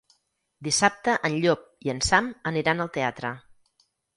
Dissabte en Llop i en Sam aniran al teatre.